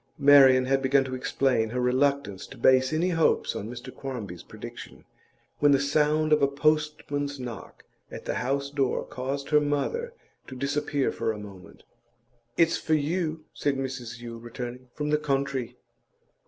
Marian had begun to explain her reluctance to base any hopes on Mr Quarmby's prediction, when the sound of a postman's knock at the house door caused her mother to disappear for a moment. 'It's for you,' said Mrs Yule, returning. 'From the country.